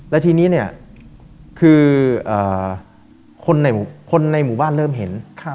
และทีนี้เนี้ยคือเอ่อคนในคนในหมู่บ้านเริ่มเห็นครับ